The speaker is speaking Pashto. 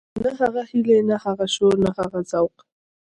نه هغه هيلې نه هغه شور نه هغه ذوق.